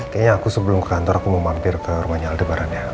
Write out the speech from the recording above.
kayaknya aku sebelum ke kantor aku mau mampir ke rumahnya lebaran ya